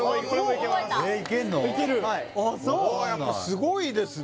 すごいですね